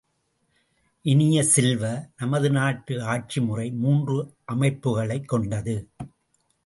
இனிய செல்வ, நமது நாட்டு ஆட்சிமுறை மூன்று அமைப்புக்களைக் கொண்டது.